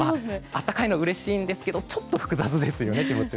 暖かいのはうれしいですがちょっと気持ちは複雑ですよね。